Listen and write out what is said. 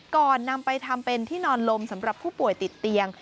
ก่อนนำไปทำเป็นที่นอนลมสำหรับผู้ป่วยติดเตียง